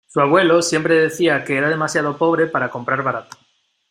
Su abuelo siempre decía que era demasiado pobre para comprar barato.